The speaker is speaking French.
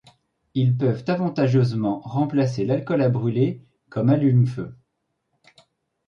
Ils peuvent avantageusement remplacer l'alcool à brûler comme allume-feu.